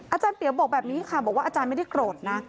อาจารย์เปียวบอกแบบนี้ค่ะบอกว่าอาจารย์ไม่ได้โกรธนะ